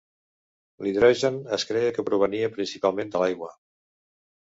L'hidrogen es creia que provenia principalment de l'aigua.